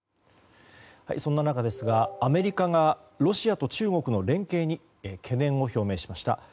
そんな中ですがアメリカがロシアと中国の連携に懸念を表明しました。